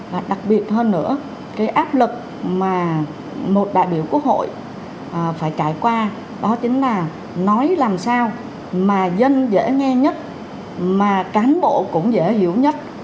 và đặc biệt hơn nữa cái áp lực mà một đại biểu quốc hội phải trải qua đó chính là nói làm sao mà dân dễ nghe nhất mà cán bộ cũng dễ hiểu nhất